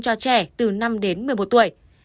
cho trẻ từ năm đến một mươi một tuổi